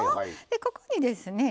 ここにですね